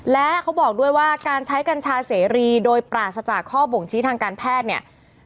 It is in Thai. และเขาบอกด้วยว่าการใช้กัญชาเสรีโดยปราศจากข้อบ่งชี้ทางการแพทย์เนี่ย